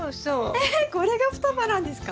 えっこれが双葉なんですか？